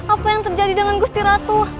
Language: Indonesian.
apa yang terjadi dengan gusti ratu